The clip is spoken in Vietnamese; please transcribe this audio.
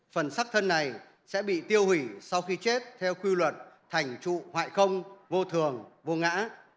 phần sắc thân này sẽ bị tiêu hủy sau khi chết theo quy luật thành trụ hoại không vô thường vô ngã